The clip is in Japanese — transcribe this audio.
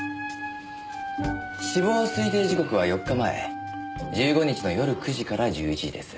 死亡推定時刻は４日前１５日の夜９時から１１時です。